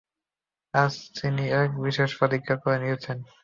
আজ তিনি এক বিশেষ প্রতিজ্ঞা করে নিয়েছেন।